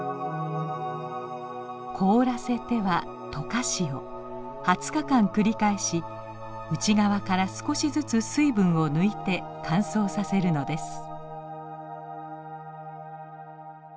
凍らせては溶かしを２０日間繰り返し内側から少しずつ水分を抜いて乾燥させるのです。